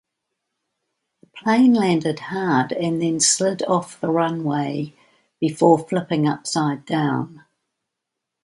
The plane landed hard and then slid off the runway before flipping upside down.